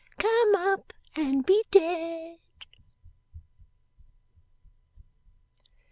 Come up and be dead!